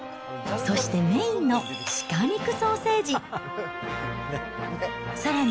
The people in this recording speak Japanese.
そしてメインの鹿肉ソーセージ。